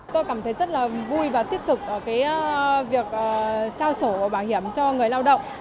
tôi cảm thấy rất là vui và tiếp tục việc trao sổ bảo hiểm cho người lao động